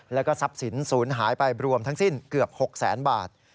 แล้วก็ทรัพย์สินศูนย์หายไปรวมทั้งสิ้นเกือบ๖แสนบาท